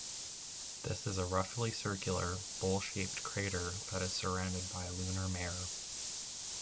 This is a roughly circular, bowl-shaped crater that is surrounded by lunar mare.